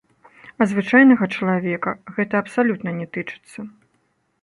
А звычайнага чалавека гэта абсалютна не тычыцца.